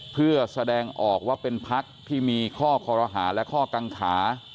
เพื่อแสดงออกว่าเป็นพักที่มีข้อคอรหาและข้อกังขา